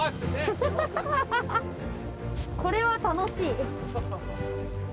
これは楽しい。